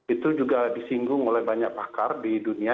itu juga disinggung oleh banyak pakar di dunia